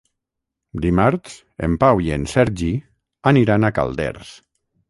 Dimarts en Pau i en Sergi aniran a Calders.